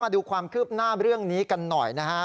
ดูความคืบหน้าเรื่องนี้กันหน่อยนะฮะ